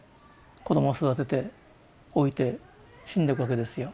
子供を育てて老いて死んでいくわけですよ。